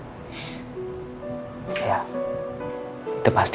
ya itu pasti